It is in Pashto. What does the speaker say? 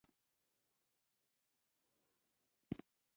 يعنې سکر به هم ونيسي او هلته به تم شي.